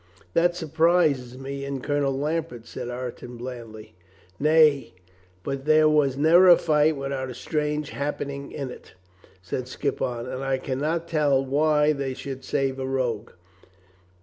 "That surprises me in Colonel Lambert," said Ire ton blandly. "Nay, but there was never a fight without strange happenings in it," said Skippon, "and I can not tell why they should save a rogue."